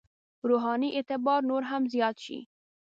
روحاني اعتبار نور هم زیات شي.